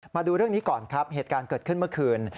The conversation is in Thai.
มาดูเรื่องนี้ก่อนครับเหตุการณ์เกิดขึ้นเมื่อคืน